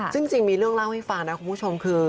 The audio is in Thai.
ซึ่งจริงมีเรื่องเล่าให้ฟังนะคุณผู้ชมคือ